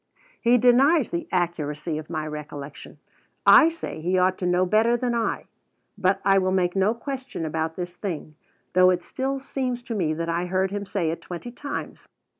He denies the accuracy of my recollection. I say he ought to know better than I; but I will make no question about this thing, though it still seems to me that I heard him say it twenty times.